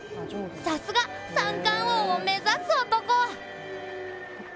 さすが、三冠王を目指す男。